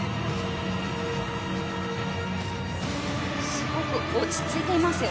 すごく落ち着いていますよ。